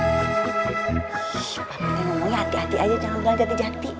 ih papitnya ngomongnya hati hati aja jangan bilang jati jati